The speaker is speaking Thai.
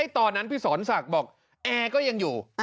ตอนนั้นพี่สอนศักดิ์บอกแอร์ก็ยังอยู่